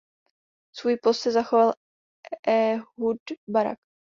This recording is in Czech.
Svůj post si zachoval Ehud Barak.